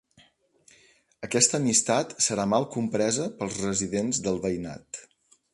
Aquesta amistat serà mal compresa pels residents del veïnat.